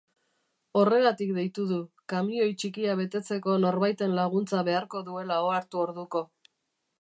Horregatik deitu du, kamioi txikia betetzeko norbaiten laguntza beharko duela ohartu orduko.